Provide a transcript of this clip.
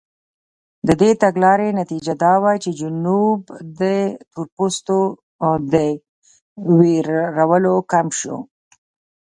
د دې تګلارې نتیجه دا وه چې جنوب د تورپوستو د وېرولو کمپ شو.